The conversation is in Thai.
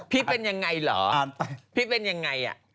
พี่เป็นยังไงเหรอพี่เป็นยังไง